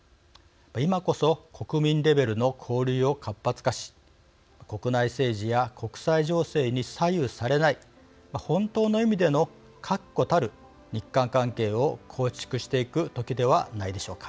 今こそ国民レベルの交流を活発化し国内政治や国際情勢に左右されない本当の意味での確固たる日韓関係を構築していく時ではないでしょうか。